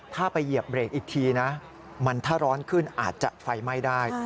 ถ้าไปเหยียบเบรกอีกทีนะมันถ้าร้อนขึ้นอาจจะไฟไหม้ได้